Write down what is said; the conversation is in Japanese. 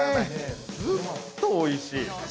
ずっとおいしい。